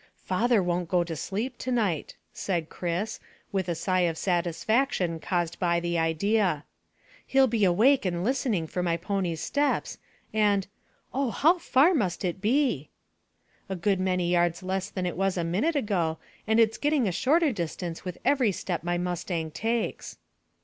"Father won't go to sleep to night," said Chris, with a sigh of satisfaction caused by the idea. "He'll be awake and listening for my pony's steps, and Oh, how far must it be? "A good many yards less than it was a minute ago, and it's getting a shorter distance with every step my mustang takes."